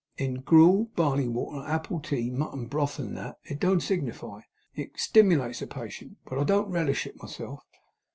'In gruel, barley water, apple tea, mutton broth, and that, it don't signify. It stimulates a patient. But I don't relish it myself.